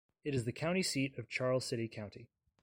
It is the county seat of Charles City County.